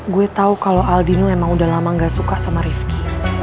gue tahu kalau aldino memang udah lama nggak suka sama rifqi